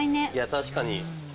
確かに。